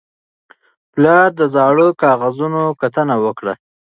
پلار د زاړه کاغذونو کتنه وکړه